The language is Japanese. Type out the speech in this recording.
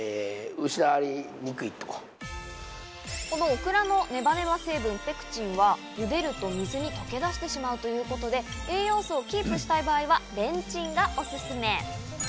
オクラのねばねば成分・ペクチンは茹でると水に溶け出してしまうということで、栄養素をキープしたい場合はレンチンがおすすめ。